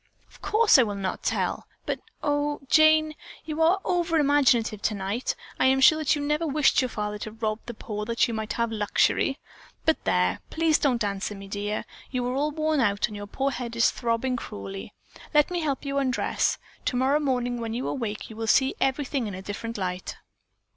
"Of course I will not tell, but, oh, Jane, you are over imaginative tonight. I am sure that you never wished your father to rob the poor that you might have luxury. But there, please don't answer me, dear. You are all worn out and your poor head is throbbing cruelly. Let me help you undress. Tomorrow morning when you awake you will see everything in a different light."